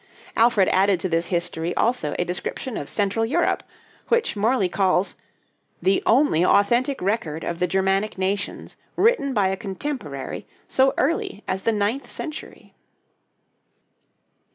Alfred added to this 'History' also a description of Central Europe, which Morley calls "the only authentic record of the Germanic nations written by a contemporary so early as the ninth century."